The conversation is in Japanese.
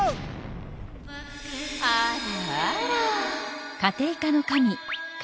あらあら。